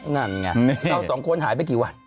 นั่นไงเราสองคนหายไปกี่วัน